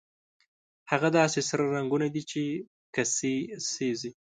هغه داسې سره رنګونه دي چې کسي سېزي.